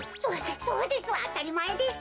そそうです。